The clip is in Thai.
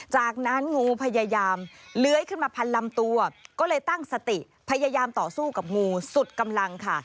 จากนั้นงูพยายามเลื้อยขึ้นมาพันลำตัวก็เลยตั้งสติพยายามต่อสู้กับงูสุดกำลังค่ะ